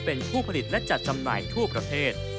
เป็นผู้ผลิตและจัดจำหน่ายทั่วประเทศ